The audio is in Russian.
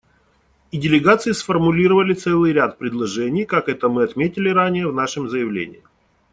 И делегации сформулировали целый ряд предложений, как это мы отметили ранее в нашем заявлении.